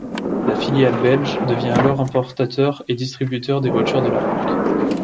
La filiale belge devient alors importateur et distributeur des voitures de la marque.